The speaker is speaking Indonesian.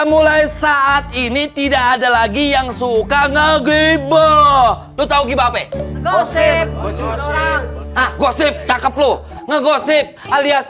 mulai saat ini tidak ada lagi yang suka ngegeba lu tahu gifep gosip takep lu ngegosip alias